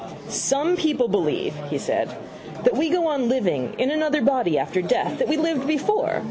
—Some people believe, he said, that we go on living in another body after death, that we lived before.